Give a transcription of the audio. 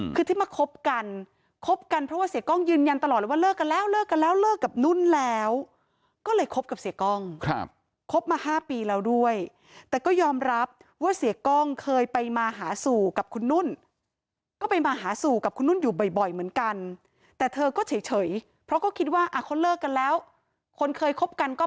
คือที่มาคบกันคบกันเพราะว่าเสียกล้องยืนยันตลอดเลยว่าเลิกกันแล้วเลิกกันแล้วเลิกกับนุ่นแล้วก็เลยคบกับเสียกล้องครับคบมา๕ปีแล้วด้วยแต่ก็ยอมรับว่าเสียกล้องเคยไปมาหาสู่กับคุณนุ่นก็ไปมาหาสู่กับคุณนุ่นอยู่บ่อยเหมือนกันแต่เธอก็เฉยเพราะก็คิดว่าเขาเลิกกันแล้วคนเคยคบกันก็